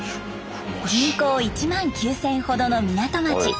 人口１万９，０００ほどの港町。